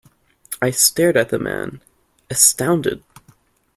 I stared at the man, astounded.